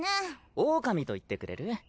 オオカミと言ってくれる？